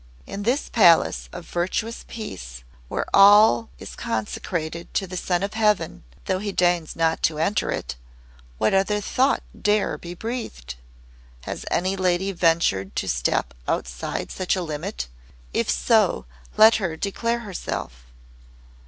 In this Palace of Virtuous Peace, where all is consecrated to the Son of Heaven, though he deigns not to enter it, what other thought dare be breathed? Has any lady ventured to step outside such a limit? If so, let her declare herself!"